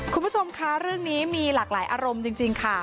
คุณผู้ชมคะเรื่องนี้มีหลากหลายอารมณ์จริงค่ะ